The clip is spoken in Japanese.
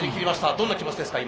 どんな気持ちですか？